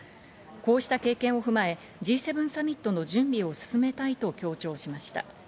こうした経験を踏まえ、Ｇ７サミットの準備を進めたいと強調しました。